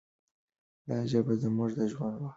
دا ژبه زموږ د ژوند روح دی.